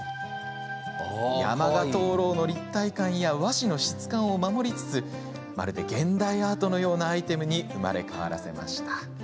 山鹿灯籠の立体感や和紙の質感を守りつつ現代アートのようなアイテムに生まれ変わらせました。